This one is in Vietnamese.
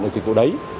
dịch vụ đấy